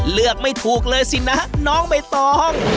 เลือกไม่ถูกเลยสินะน้องใบตอง